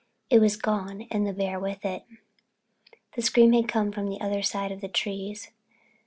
It was gone and the bear with it. The scream had come from the other side of the trees.